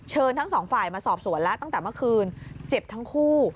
ทั้งสองฝ่ายมาสอบสวนแล้วตั้งแต่เมื่อคืนเจ็บทั้งคู่